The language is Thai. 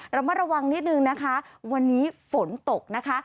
ระมัดระวังนิดนึงนะคะวันนี้ฝนตกนะคะ